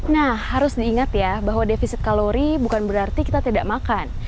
nah harus diingat ya bahwa defisit kalori bukan berarti kita tidak makan